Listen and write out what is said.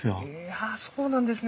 あそうなんですね。